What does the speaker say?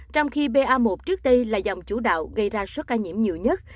trong khi ba một trước đây là dòng chủ đạo gây ra số ca nhiễm nhiều nhất